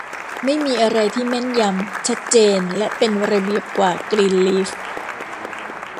ไม่มีอะไรที่แม่นยำ ชัดเจนและเป็นระเบียบกว่ากรีนลีฟ